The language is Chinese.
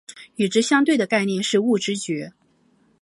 与之相对的概念是物知觉。